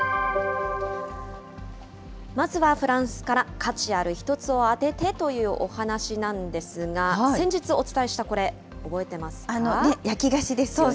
まずはフランスから、価値ある１つを当てて！というお話なんですが、先日お伝えしたこ焼き菓子ですよね。